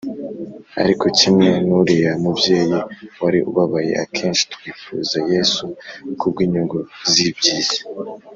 . Ariko kimwe n’uriya mubyeyi wari ubabaye, akenshi twifuza Yesu kubw’inyungu z’iby’isi